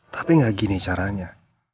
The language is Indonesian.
tapi gak gini caranya